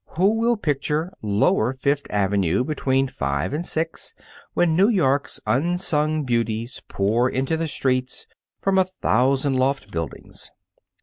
Who will picture Lower Fifth Avenue between five and six, when New York's unsung beauties pour into the streets from a thousand loft buildings?